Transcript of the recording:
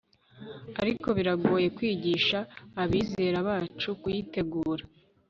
Ariko biragoye kwigisha abizera bacu kuyitegura